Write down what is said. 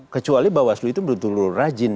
kecuali bawaslu itu berdua rajin